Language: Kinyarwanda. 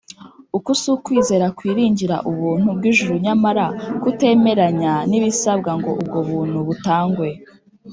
. Uku si ukwizera kwiringira ubuntu bw’ijuru nyamara kutemeranya n’ibisabwa ngo ubwo buntu butangwe